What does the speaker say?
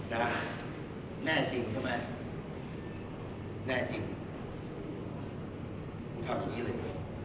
หน้าจริงใช่มั้ยหน้าจริงคุณทำอย่างนี้เลย